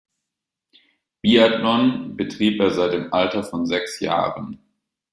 Biathlon betrieb er seit dem Alter von sechs Jahren.